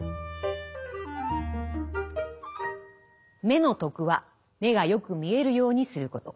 目の徳は目がよく見えるようにすること。